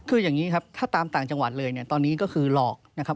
คืออย่างนี้ครับถ้าตามต่างจังหวัดเลยเนี่ยตอนนี้ก็คือหลอกนะครับ